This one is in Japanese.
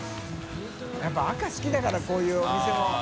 笋辰赤好きだからこういうお店も。